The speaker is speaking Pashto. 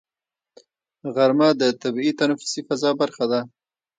غرمه د طبیعي تنفسي فضا برخه ده